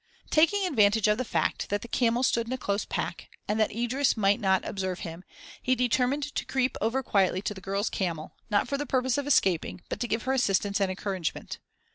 Taking advantage of the fact that the camels stood in a close pack and that Idris might not observe him, he determined to creep over quietly to the girl's camel, not for the purpose of escaping, but to give her assistance and encouragement.